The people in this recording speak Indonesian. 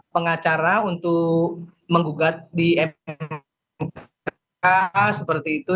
pengacara untuk menggugat di mk seperti itu